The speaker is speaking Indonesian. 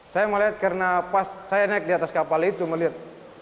saya melihat karena pas saya naik di atas kapal itu melihat